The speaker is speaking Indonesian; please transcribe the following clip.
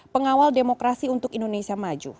pengawal demokrasi untuk indonesia maju